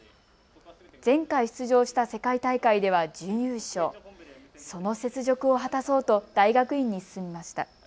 前回、出場した世界大会では準優勝、その雪辱を果たそうと大学院に進みました。